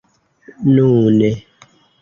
nune